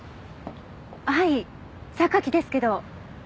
はい榊ですけど。